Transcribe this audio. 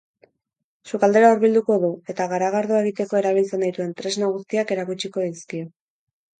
Sukaldera hurbilduko du, eta garagardoa egiteko erabiltzen dituen tresna guztiak erakutsiko dizkio.